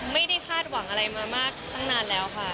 ไม่ได้คาดหวังอะไรมามากตั้งนานแล้วค่ะ